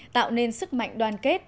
tạo nên sức mạnh đoàn kết